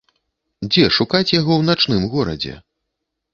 Дзе шукаць яго ў начным горадзе?